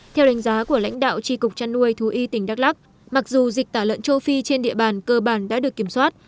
theo đánh giá của lãnh đạo tri cục trăn nuôi thú y tỉnh đắk lắc mặc dù dịch tả lợn châu phi trên địa bàn cơ bản đã được kiểm soát